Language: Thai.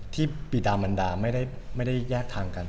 ที่ปีดามันดาไม่ได้แยกทางกัน